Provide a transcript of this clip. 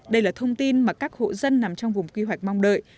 đây là thông tin mà các hộ dân nằm trong vùng quy hoạch mong đợi